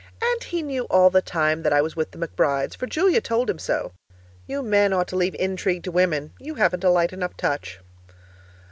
And he knew all the time that I was with the McBrides, for Julia told him so! You men ought to leave intrigue to women; you haven't a light enough touch.